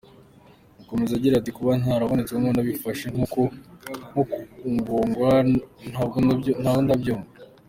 Akomeza agira ati "Kuba ntarabonetsemo nabifashe nko kugongwa, ntabwo ndabyumva".